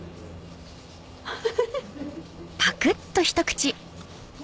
フフフ。